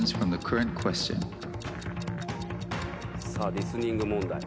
リスニング問題。